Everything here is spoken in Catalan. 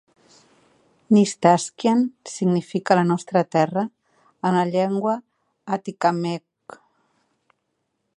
"Nistaskinan" significa "la nostra terra" en la llengua atikamekw.